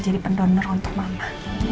jadi pendonor untuk mama